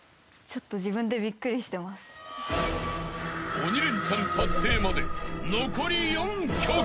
［鬼レンチャン達成まで残り４曲］